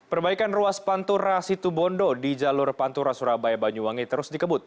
perbaikan ruas pantura situbondo di jalur pantura surabaya banyuwangi terus dikebut